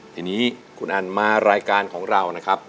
ทีนี้คุณอันมารายการของเรานะครับ